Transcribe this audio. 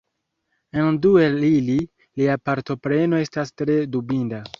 En du el ili, lia partopreno estas tre dubinda.